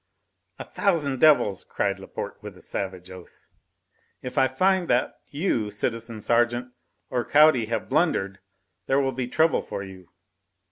"A thousand devils!" cried Laporte with a savage oath, "if I find that you, citizen sergeant, or Caudy have blundered there will be trouble for you."